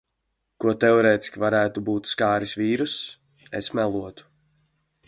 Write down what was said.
Ko teorētiski varētu būt skāris vīruss, es melotu.